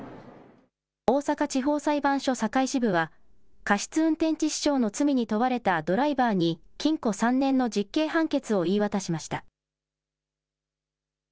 大阪地方裁判所堺支部は、過失運転致死傷の罪に問われたドライバーに、禁錮３年の実刑判決を言い渡しました。